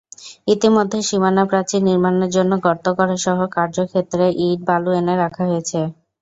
ইতিমধ্যে সীমানাপ্রাচীর নির্মাণের জন্য গর্ত করাসহ কার্যক্ষেত্রে ইট, বালু এনে রাখা হয়েছে।